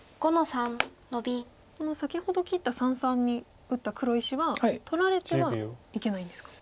先ほど切った三々に打った黒石は取られてはいけないんですか。